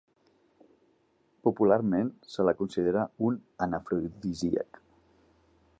Popularment se la considera un anafrodisíac.